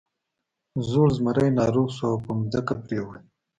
زوړ زمری ناروغ شو او په ځمکه پریوت.